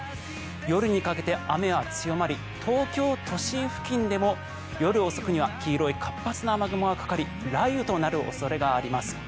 夜にかけて雨は強まり東京都心付近でも夜遅くには黄色い活発な雨雲がかかり雷雨となる恐れがあります。